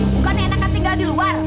bukan ini enaknya tinggal di luar